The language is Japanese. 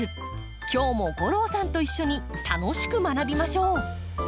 今日も吾郎さんと一緒に楽しく学びましょう！